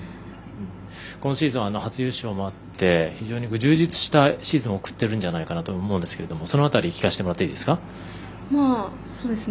今シーズン、初優勝もあって非常に充実したシーズンを送ってるんじゃないかなと思うんですけどその辺り、聞かせてもらっていいですか。